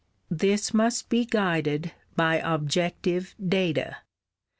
This must be guided by objective data.